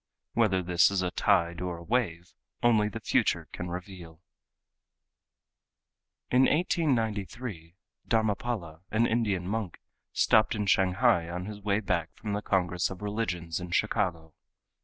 Whether this is a tide, or a wave, only the future can reveal. In 1893 Dharmapala, an Indian monk, stopped in Shanghai on his way back from the Congress of Religions in Chicago.